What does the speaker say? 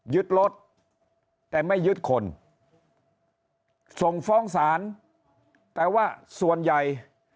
ยึดรถแต่ไม่ยึดคนส่งฟ้องศาลแต่ว่าส่วนใหญ่